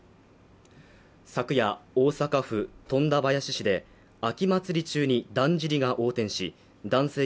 昨夜大阪府富田林市で秋祭り中にだんじりが横転し男性